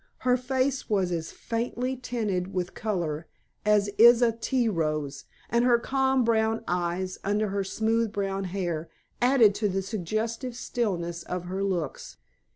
Her face was as faintly tinted with color as is a tea rose, and her calm, brown eyes, under her smooth brown hair, added to the suggestive stillness of her looks.